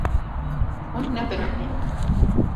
Hûn nebiriqîn.